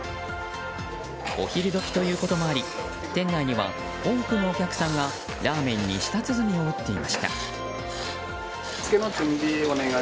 お昼時ということもあり店内には多くのお客さんがラーメンに舌鼓を打っていました。